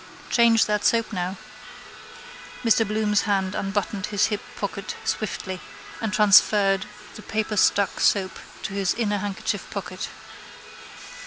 Change that soap now. Mr Bloom's hand unbuttoned his hip pocket swiftly and transferred the paperstuck soap to his inner handkerchief pocket.